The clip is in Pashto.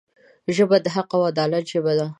ژبه د حق او عدالت ژبه ده